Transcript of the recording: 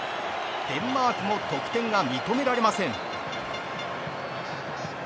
デンマークも得点が認められません。